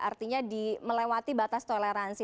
artinya melewati batas toleransi